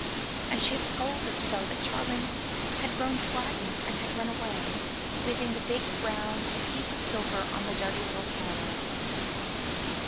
And she had scolded so that Charling had grown frightened and had run away, leaving the big, round piece of silver on the dirty little counter.